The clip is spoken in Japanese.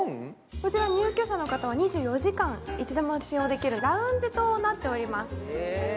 こちら、入居者の方は２４時間いつでも使用できるラウンジとなっております。